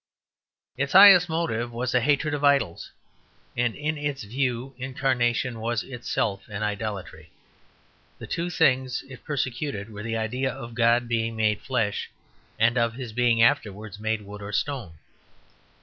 Its highest motive was a hatred of idols, and in its view Incarnation was itself an idolatry. The two things it persecuted were the idea of God being made flesh and of His being afterwards made wood or stone.